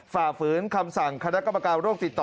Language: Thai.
ฝ่าฝืนคำสั่งคณะกรรมการโรคติดต่อ